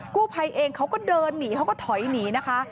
กู้ภัยเองเขาก็เดินหนีเขาก็ถอยหนีนะคะ